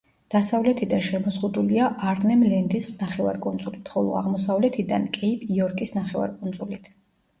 დასავლეთიდან შემოზღუდულია არნემ-ლენდის ნახევარკუნძულით, ხოლო აღმოსავლეთიდან კეიპ-იორკის ნახევარკუნძულით.